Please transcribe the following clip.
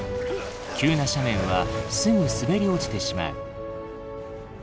急な斜面はすぐ滑り落ちてしまう。